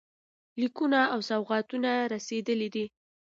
لیکونه او سوغاتونه رسېدلي دي.